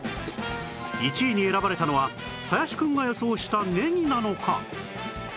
１位に選ばれたのは林くんが予想したねぎなのか？